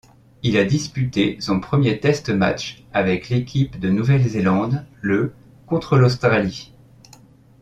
Il a disputé son premier test match avec l'équipe de Nouvelle-Zélande le contre l'Australie.